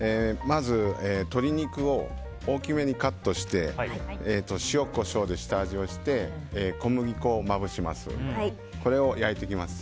まず鶏肉を大きめにカットして塩、コショウで下味をして小麦粉をまぶします。